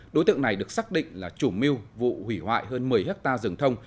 đối tượng này được xác định là chủ mưu vụ hủy hoại hơn một mươi hectare rừng thông